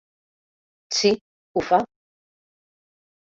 Sí, ho fa.